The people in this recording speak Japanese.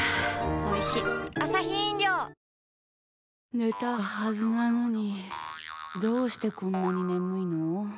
寝たはずなのにどうしてこんなに眠いの。